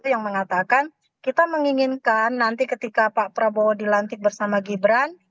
yang mengatakan kita menginginkan nanti ketika pak prabowo dilantik bersama gibran